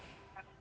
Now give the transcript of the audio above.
wah luar biasa sih